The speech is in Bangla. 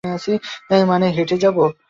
মানে হেঁটে যাবে?